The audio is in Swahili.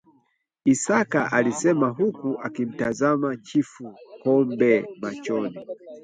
Isaka alisema huku akimtazama chifu Kombe machoni